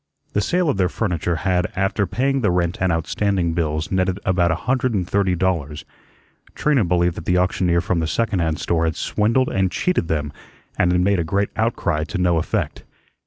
The sale of their furniture had, after paying the rent and outstanding bills, netted about a hundred and thirty dollars. Trina believed that the auctioneer from the second hand store had swindled and cheated them and had made a great outcry to no effect.